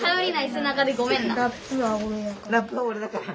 ラップは俺だから。